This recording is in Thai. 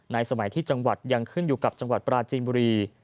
สมัยที่จังหวัดยังขึ้นอยู่กับจังหวัดปราจีนบุรี